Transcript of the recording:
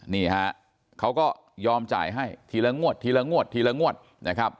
นี่ฮะเขาก็ยอมจ่ายให้ทีละงวดทีละงวดทีละงวดนะครับ